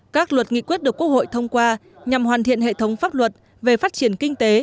các luật nghị quyết được quốc hội thông qua nhằm hoàn thiện hệ thống pháp luật về phát triển kinh tế